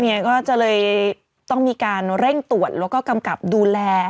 ก็เลยต้องมีการเร่งตรวจแล้วก็กำกับดูแล